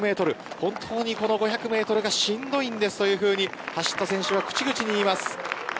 本当にこの５００メートルがしんどいんですというふうに走った選手は口々に言います。